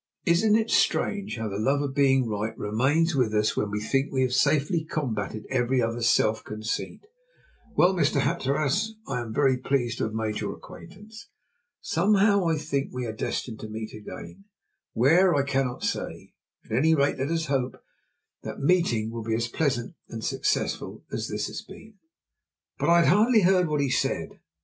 "Isn't it strange how the love of being right remains with us, when we think we have safely combated every other self conceit. Well, Mr. Hatteras, I am very pleased to have made your acquaintance. Somehow I think we are destined to meet again where I cannot say. At any rate, let us hope that that meeting will be as pleasant and successful as this has been." But I hardly heard what he said.